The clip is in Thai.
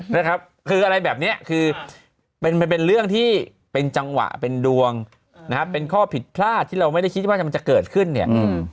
นะครับคืออะไรแบบเนี้ยคือเป็นมันเป็นเรื่องที่เป็นจังหวะเป็นดวงนะครับเป็นข้อผิดพลาดที่เราไม่ได้คิดว่ามันจะเกิดขึ้นเนี่ยอืม